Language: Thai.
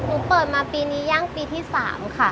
เปิดมาปีนี้ย่างปีที่๓ค่ะ